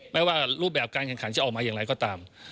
ไม่ว่ารูปแบบการแข่งขันจะออกมาอย่างไรก็ตาม